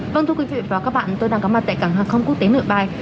vâng thưa quý vị và các bạn tôi đang có mặt tại cảng hàng không quốc tế nội bài